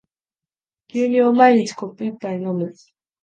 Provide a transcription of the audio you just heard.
牛乳を毎日コップ一杯飲む